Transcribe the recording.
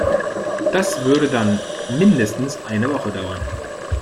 Das würde dann mindestens eine Woche dauern.